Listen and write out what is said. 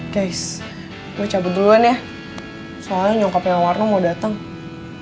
guys gue cabut duluan ya soalnya nyokapnya warna mau datang duluan ya